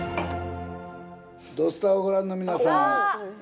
「土スタ」をご覧の皆さん